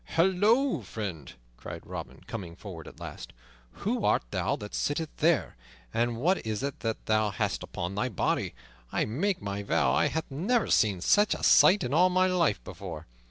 "Halloa, friend," cried Robin, coming forward at last, "who art thou that sittest there? And what is that that thou hast upon thy body? I make my vow I ha' never seen such a sight in all my life before.